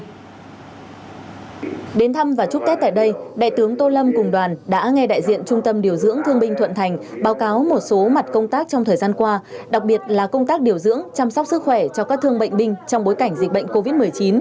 cùng đến thăm có đồng chí đào hồng lan ủy viên trung tâm điều dưỡng thương binh thuận thành báo cáo một số mặt công tác trong thời gian qua đặc biệt là công tác điều dưỡng chăm sóc sức khỏe cho các thương bệnh binh trong bối cảnh dịch bệnh covid một mươi chín